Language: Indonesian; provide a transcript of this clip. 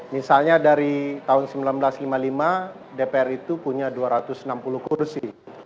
misalnya dari tahun seribu sembilan ratus lima puluh lima dpr itu punya dua ratus enam puluh kursi